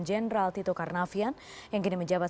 jenderal tito karnavian yang kini menjabat